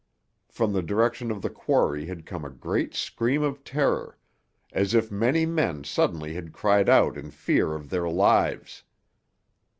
From the direction of the quarry had come a great scream of terror, as if many men suddenly had cried out in fear of their lives.